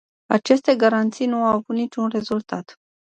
Aceste garanții nu au avut niciun rezultat.